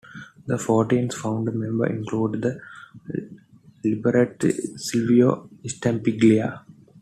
The fourteen founder members included the librettist Silvio Stampiglia.